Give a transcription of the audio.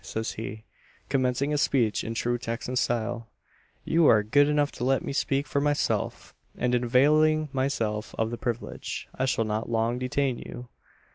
says he, commencing his speech in true Texan style; "you are good enough to let me speak for myself; and in availing myself of the privilege, I shall not long detain you.